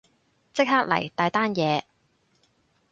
即刻嚟，大單嘢